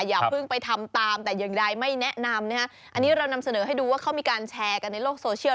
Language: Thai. อย่าเพิ่งไปทำตามแต่อย่างใดไม่แนะนำนะฮะอันนี้เรานำเสนอให้ดูว่าเขามีการแชร์กันในโลกโซเชียล